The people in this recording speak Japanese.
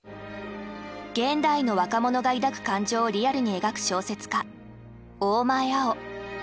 現代の若者が抱く感情をリアルに描く小説家大前粟生。